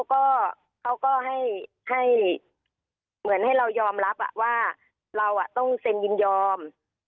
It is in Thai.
ก็เขาก็ให้เหมือนให้เรายอมรับว่าเราต้องเซ็นยินยอม